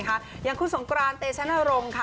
อย่างคุณสงกรานเตชนรงค์ค่ะ